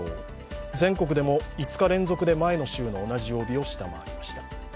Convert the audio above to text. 全国でも５日連続で前の週の同じ曜日を下回りました。